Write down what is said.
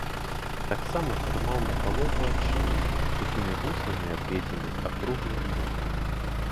Таксама трымаў напалову адчынены, сухімі вуснамі абведзены, акруглены рот.